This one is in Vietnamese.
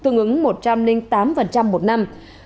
tương ứng một trăm linh tám một năm